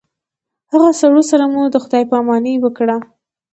هغه سړو سره مو د خداے په اماني وکړه